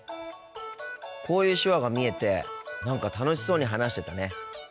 こういう手話が見えて何か楽しそうに話してたね。